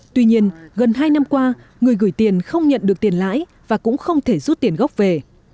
tuy nhiên gần hai năm qua người gửi tiền không nhận được tiền lãi và cũng không thể rút tiền gốc về